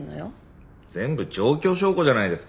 全部状況証拠じゃないですか。